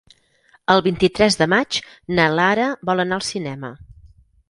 El vint-i-tres de maig na Lara vol anar al cinema.